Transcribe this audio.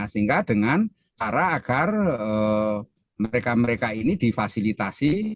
sehingga dengan cara agar mereka mereka ini difasilitasi